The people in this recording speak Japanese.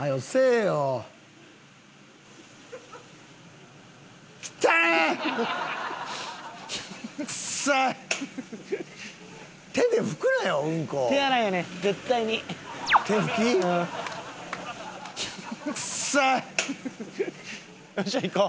よっしゃ行こう。